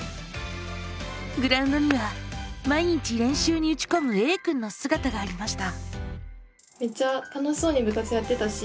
グラウンドには毎日練習に打ちこむＡくんのすがたがありました。